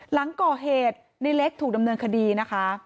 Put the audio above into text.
หลังก่อเหตุในเล็กถูกดำเนินคดีนะคะ